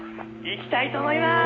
「行きたいと思います」